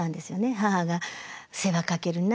母が「世話かけるな。